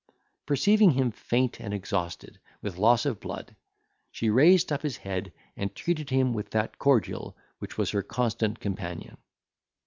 Perceiving him faint and exhausted with loss of blood, she raised up his head, and treated him with that cordial which was her constant companion.